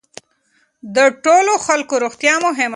د ټولو خلکو روغتیا مهمه ده.